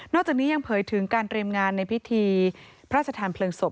จากนี้ยังเผยถึงการเตรียมงานในพิธีพระราชทานเพลิงศพ